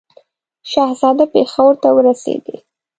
شهزاده پېښور ته ورسېدی.